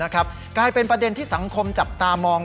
กลายเป็นประเด็นที่สังคมจับตามอง